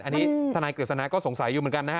อันนี้ทนายกฤษณาก็สงสัยอยู่เหมือนกันนะฮะ